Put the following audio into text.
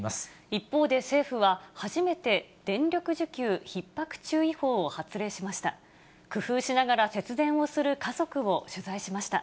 一方で政府は、初めて電力需給ひっ迫注意報を発令しました。